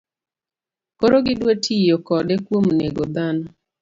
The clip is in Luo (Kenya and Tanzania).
Koro gidwa tiyo kode kuom nego ng'ano